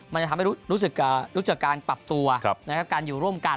มันจะทำให้รู้จักการปรับตัวการอยู่ร่วมกัน